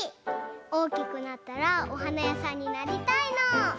おおきくなったらおはなやさんになりたいの！